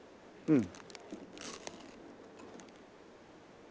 うん。